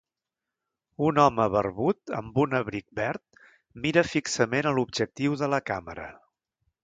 Un home barbut amb un abric verd mira fixament a l'objectiu de la càmera.